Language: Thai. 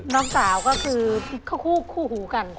น้องสาวก็คือคู่หูกัน